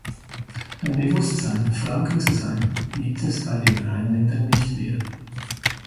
Ein Bewusstsein, „Franke zu sein“, gibt es bei den Rheinländern nicht mehr.